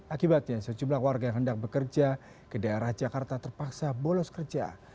akibatnya sejumlah warga yang hendak bekerja ke daerah jakarta terpaksa bolos kerja